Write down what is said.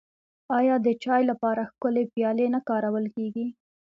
آیا د چای لپاره ښکلې پیالې نه کارول کیږي؟